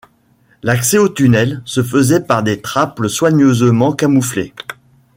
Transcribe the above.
L'accès aux tunnels se faisait par des trappes soigneusement camouflées.